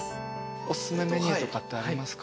おすすめメニューとかってありますか？